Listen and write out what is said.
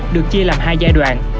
được chia làm hai giai đoạn